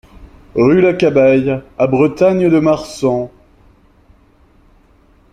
Rue Lacabaille à Bretagne-de-Marsan